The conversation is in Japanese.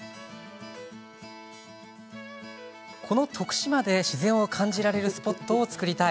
この徳島で自然を感じられるスポットを作りたい。